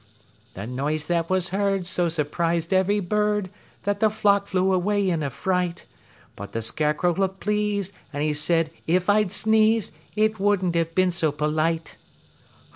The noise that was heard so surprised ev'ry bird, that the flock flew away in a fright, But the Scarecrow looked pleased, and he said "If I'd sneezed It wouldn't have been so polite."